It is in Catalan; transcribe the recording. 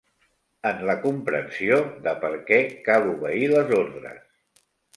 En la comprensió de per què cal obeir les ordres